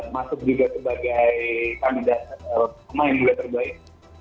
masuk juga sebagai kandidat pemain muda terbaik